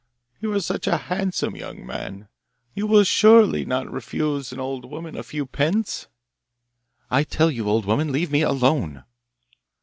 'You are such a handsome young man you will surely not refuse an old woman a few pence.' 'I tell you, old woman, leave me alone.